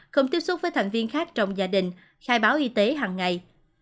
không tiếp xúc với thành viên khác trong gia đình khai báo y tế hằng ngày